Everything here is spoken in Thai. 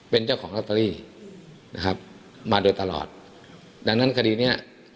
เป็นเจ้าของลอตเตอรี่นะครับมาโดยตลอดดังนั้นคดีเนี้ย